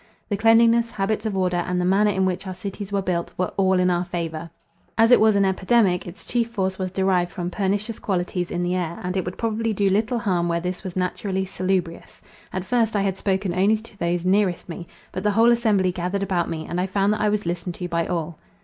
The cleanliness, habits of order, and the manner in which our cities were built, were all in our favour. As it was an epidemic, its chief force was derived from pernicious qualities in the air, and it would probably do little harm where this was naturally salubrious. At first, I had spoken only to those nearest me; but the whole assembly gathered about me, and I found that I was listened to by all.